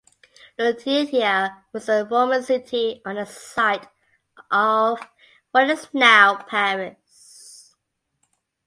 Lutetia was the Roman city on the site of what is now Paris.